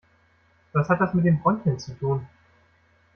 Was hat das mit den Bronchien zu tun?